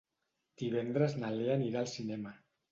Divendres na Lea anirà al cinema.